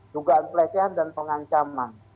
dugaan pelecehan dan pengancaman